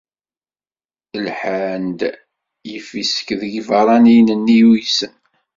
Iḥan-d yifisek deg ibeṛṛaniyen-nni yuysen.